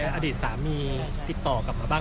ไม่ใช่นี่คือบ้านของคนที่เคยดื่มอยู่หรือเปล่า